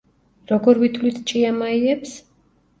როგორ ვითვლით ჭიამაიებს?